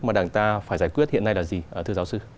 mà đảng ta phải giải quyết hiện nay là gì thưa giáo sư